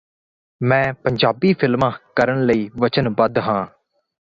ਮੈਂ ਪੰਜਾਬੀ ਫਿਲਮਾਂ ਕਰਨ ਲਈ ਵਚਨਬੱਧ ਹਾਂ